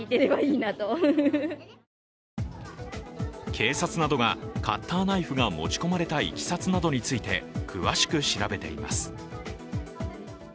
警察などがカッターナイフが持ち込まれたいきさつなどについて詳しく調べています。